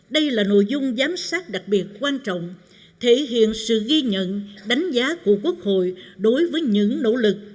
đây là nội dung giám sát đặc biệt quan trọng thể hiện sự ghi nhận đánh giá của quốc hội đối với những nỗ lực